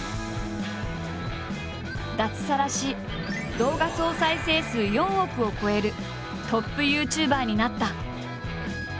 脱サラし動画総再生数４億を超えるトップＹｏｕＴｕｂｅｒになった。